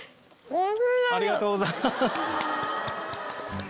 ありがとうございます。